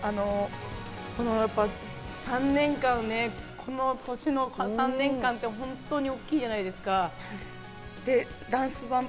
やっぱ３年間ね、この年の３年間って本当に大きいじゃないですか。